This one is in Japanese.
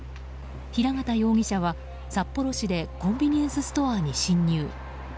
平形容疑者は札幌市でコンビニエンスストアに侵入。